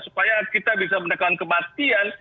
supaya kita bisa menekan kematian